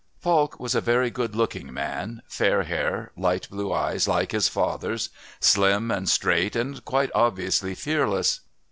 Falk was a very good looking man fair hair, light blue eyes like his father's, slim and straight and quite obviously fearless.